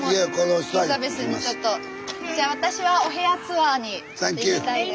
じゃあ私はお部屋ツアーに行きたいです。